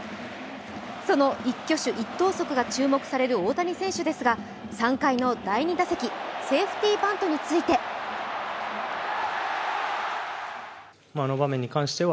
その一挙手一投足が注目される大谷選手ですが、３回の第２打席、セーフティーバントについて引き続き槙原さんよろしくお願いします。